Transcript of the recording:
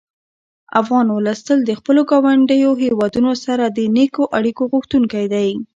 افغان ولس تل د خپلو ګاونډیو هېوادونو سره د نېکو اړیکو غوښتونکی دی.